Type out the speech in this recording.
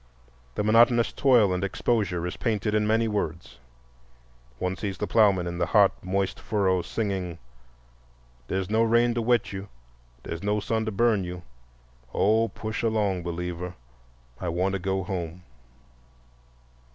The monotonous toil and exposure is painted in many words. One sees the ploughmen in the hot, moist furrow, singing: "Dere's no rain to wet you, Dere's no sun to burn you, Oh, push along, believer, I want to go home."